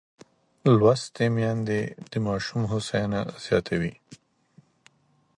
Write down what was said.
لوستې میندې د ماشوم هوساینه زیاتوي.